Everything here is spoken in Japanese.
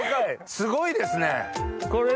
すごいですね！えっ？